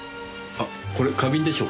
これ花瓶でしょうかね？